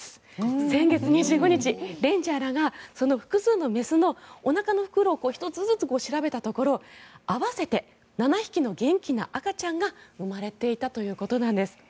先月２５日レンジャーらがその複数の雌のおなかの袋を１つずつ調べたところ合わせて７匹の元気な赤ちゃんが生まれていたということです。